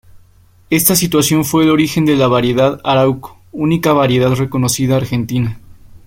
Esta situación fue el origen de la variedad Arauco, única variedad reconocida argentina.